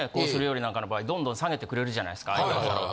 料理なんかの場合どんどん下げてくれるじゃないですか空いたお皿を。